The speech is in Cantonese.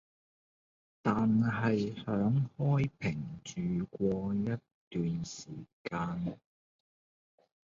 但係響開平住過一段時間